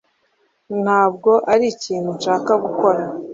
Ntabwo ari ikintu nshaka gukora